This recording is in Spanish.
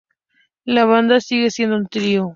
La banda sigue siendo un trío.